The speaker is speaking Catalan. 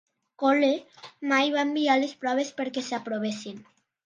Cole mai va enviar les proves per què s'aprovessin.